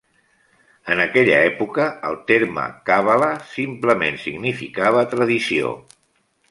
En aquella època el terme Càbala simplement significava tradició.